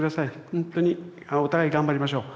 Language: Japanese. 本当にお互い頑張りましょう。